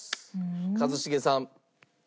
一茂さん。